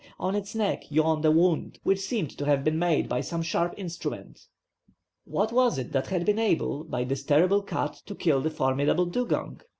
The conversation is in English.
On its neck, yawned a wound, which seemed to have been made by some sharp instrument. What was it that had been able, by this terrible cut, to kill the formidable dugong?